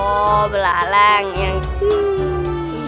oh belalang yang siiii